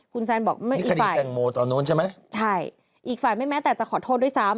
คุณแซนบอกว่าอีกฝ่ายไม่แม้แต่จะขอโทษด้วยซ้ำ